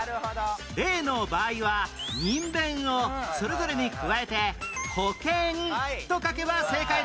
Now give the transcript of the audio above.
例の場合はにんべんをそれぞれに加えて「保健」と書けば正解です